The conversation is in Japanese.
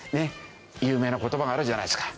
有名な言葉があるじゃないですか。